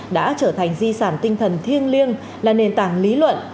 đã trở thành di sản tinh thần thiêng liêng là nền tảng lý luận